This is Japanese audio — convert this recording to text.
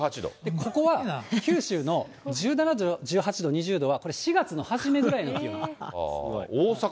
ここは九州の１７度、１８度、２０度は、４月の初めぐらいの気温。